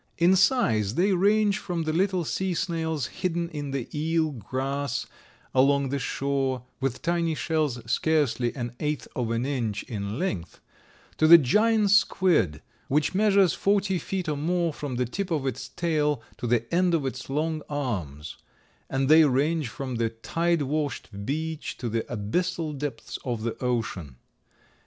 In size they range from the little sea snails hidden in the eel grass along the shore, with tiny shells scarcely an eighth of an inch in length, to the giant squid, which measures forty feet or more from the tip of its tail to the end of its long arms; and they range from the tide washed beach to the abyssal depths of the ocean.